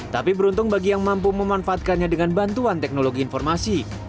tapi beruntung bagi yang mampu memanfaatkannya dengan bantuan teknologi informasi